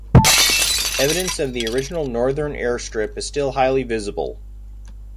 Evidence of the original northern airstrip is still highly visible.